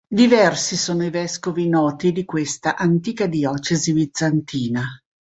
Diversi sono i vescovi noti di questa antica diocesi bizantina.